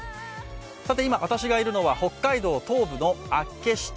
さて、今私がいるのは北海道東部の厚岸町。